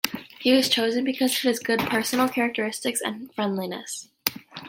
He was chosen because of his good personal characteristics and friendliness.